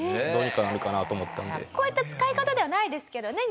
こういった使い方ではないですけどね